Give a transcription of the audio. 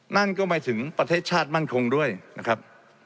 นั่นก็หมายถึงประเทศชาติมั่นคงด้วยนะครับ